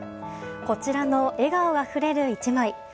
こちらの笑顔あふれる１枚。